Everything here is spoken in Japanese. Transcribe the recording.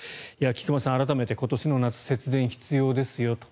菊間さん、改めてこの夏、節電必要ですよと。